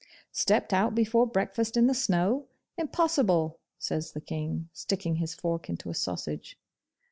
'Stepped out before breakfast in the snow! Impossible!' says the King, sticking his fork into a sausage.